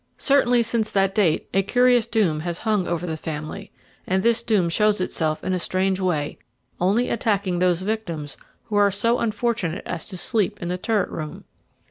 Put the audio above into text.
Certainly since that date a curious doom has hung over the family, and this doom shows itself in a strange way, only attacking those victims who are so unfortunate as to sleep in the turret room.